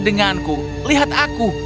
denganku lihat aku